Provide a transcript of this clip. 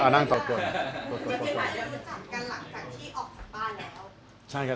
นั่นคนเดียวครับ